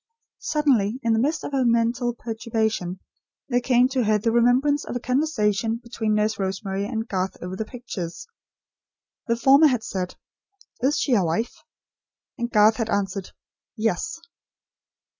Suddenly, in the midst of her mental perturbation, there came to her the remembrance of a conversation between Nurse Rosemary and Garth over the pictures. The former had said: "Is she a wife?" And Garth had answered: "Yes."